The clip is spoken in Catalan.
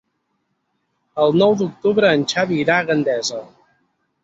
El nou d'octubre en Xavi irà a Gandesa.